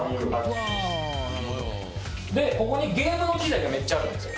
でここにゲームの機材がめっちゃあるんですよ。